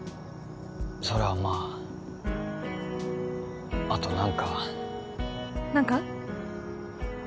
それはまああと何か何か？